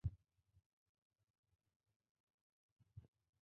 এসবে এখন কতো ধরনের ভ্যারাইটি এসে গেছে।